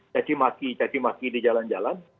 caki maki di jalan jalan